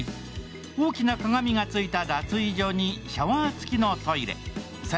大きな鏡がついた脱衣所にシャワートイレも完備。